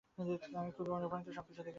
আমি খুবই অনুপ্রাণিত সবকিছু দেখে শুনে।